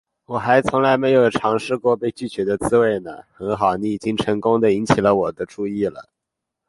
我还从来没有尝试过被拒绝的滋味呢，很好，你已经成功地引起我的注意了